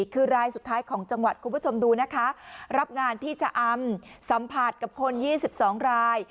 คือรายสุดท้ายของจังหวัดคุณผู้ชมดูนะคะรับงานที่ชะอำสัมผัสกับคน๒๒ราย